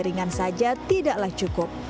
ringan saja tidaklah cukup